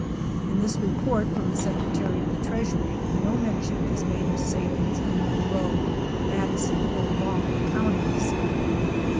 In this report from the Secretary of the Treasury no mention is made of salines in Monroe, Madison or Bond counties.